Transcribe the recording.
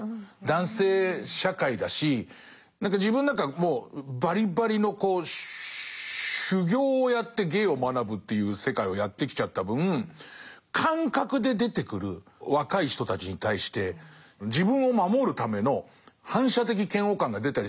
男性社会だし自分なんかもうばりばりの修業をやって芸を学ぶっていう世界をやってきちゃった分感覚で出てくる若い人たちに対して自分を守るための反射的嫌悪感が出たりする時があって。